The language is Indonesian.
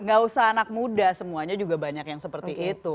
gak usah anak muda semuanya juga banyak yang seperti itu